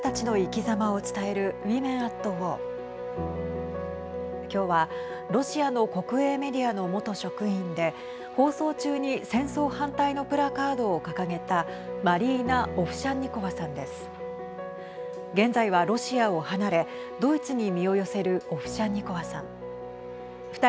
きょうはロシアの国営メディアの元職員で放送中に戦争反対のプラカードを掲げたマリーナ・オフシャンニコワさんです。